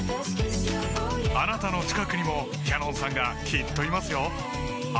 あなたの近くにもＣａｎｏｎさんがきっといますよ